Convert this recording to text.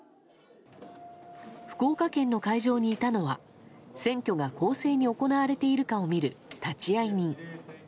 福岡県の会場にいたのは選挙が公正に行われているかを見る立会人。